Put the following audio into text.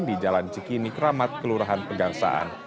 di jalan cikini kramat kelurahan pegangsaan